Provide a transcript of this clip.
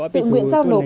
tự nguyện giao nổ